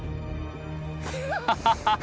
ハハハッ！